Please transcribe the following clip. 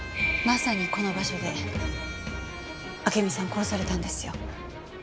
まさにこの場所で暁美さん殺されたんですよ。